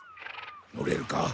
乗れるか？